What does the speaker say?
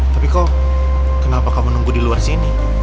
tapi kok kenapa kamu nunggu di luar sini